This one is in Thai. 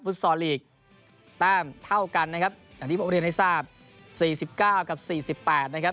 ซอลลีกแต้มเท่ากันนะครับอย่างที่ผมเรียนให้ทราบ๔๙กับ๔๘นะครับ